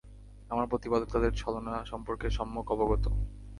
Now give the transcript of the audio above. আমার প্রতিপালক তাদের ছলনা সম্পর্কে সম্যক অবগত।